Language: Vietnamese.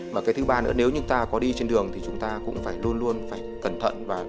và thứ ba nữa nếu chúng ta có đi trên đường thì chúng ta cũng luôn luôn phải cẩn thận